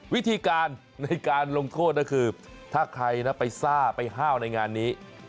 วิธีการในการลงโทษก็คือถ้าใครนะไปซ่าไปห้าวในงานนี้